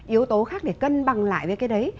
yếu tố khác để cân bằng lại với cái đấy